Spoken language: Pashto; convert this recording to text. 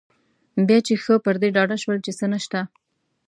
بیا چې ښه پر دې ډاډه شول چې څه نشته.